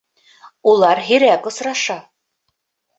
Улар һирәк осраша.